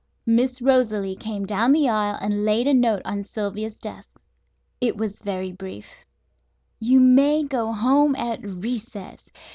Miss Rosalie came down the aisle and laid a note on Sylvia's desk. It was very brief: "You may go home at recess.